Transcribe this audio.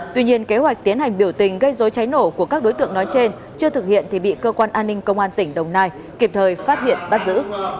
tuy nhiên kế hoạch tiến hành biểu tình gây dối cháy nổ của các đối tượng nói trên chưa thực hiện thì bị cơ quan an ninh công an tỉnh đồng nai kịp thời phát hiện bắt giữ